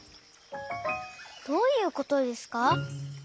どういうことですか？